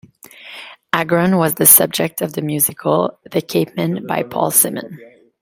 Agron was the subject of the musical "The Capeman" by Paul Simon.